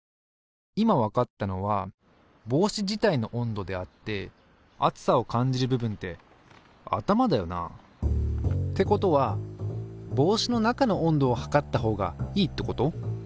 今わかったのは帽子自体の温度であって暑さを感じる部分って頭だよな。ってことは帽子の中の温度を測ったほうがいいってこと？